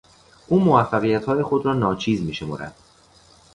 او موفقیتهای خود را ناچیز میشمرد.